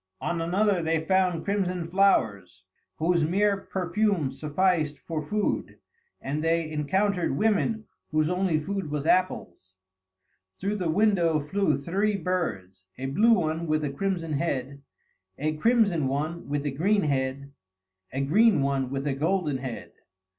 On another they found crimson flowers, whose mere perfume sufficed for food, and they encountered women whose only food was apples. Through the window flew three birds: a blue one with a crimson head; a crimson one with a green head; a green one with a golden head.